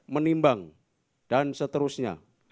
menimbang dan seterusnya